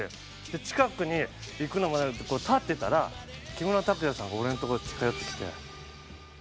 近くに行くのも立ってたら木村拓哉さんが俺の所に近寄ってきて。